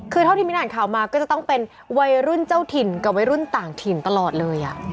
คือเท่าที่มินอ่านข่าวมาก็จะต้องเป็นวัยรุ่นเจ้าถิ่นกับวัยรุ่นต่างถิ่นตลอดเลย